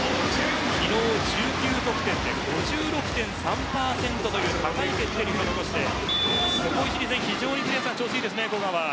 昨日１９得点で５６．３％という高い決定率を残してここ最近、非常に調子がいいですね、古賀は。